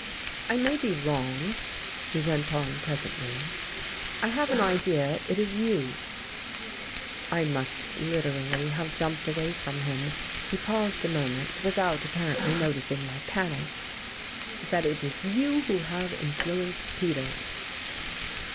"I may be wrong," he went on presently, "I have an idea it is you " I must literally have jumped away from him. He paused a moment, without apparently noticing my panic, "that it is you who have influenced Peters."